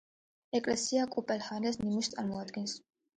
ეკლესია კუპელჰალეს ნიმუშს წარმოადგენს.